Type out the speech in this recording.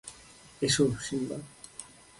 এসো, সিম্বা!